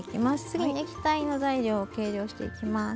次に液体の材料を計量していきます。